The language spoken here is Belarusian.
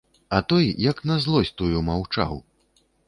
А той як на злосць тую маўчаў.